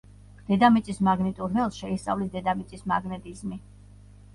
დედამიწის მაგნიტურ ველს შეისწავლის დედამიწის მაგნეტიზმი.